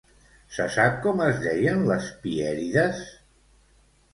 Se sap com es deien les Pièrides?